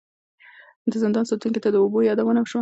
د زندان ساتونکي ته د اوبو یادونه وشوه.